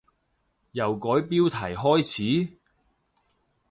由改標題開始？